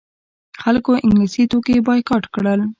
خلکو انګلیسي توکي بایکاټ کړل.